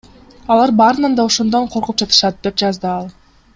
Алар баарынан да ошондон коркуп жатышат, — деп жазды ал.